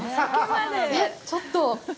えっ、ちょっと。